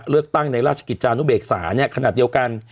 เลือกตั้งในราชกิจจานุเบกษาเนี่ยขนาดเดียวกัน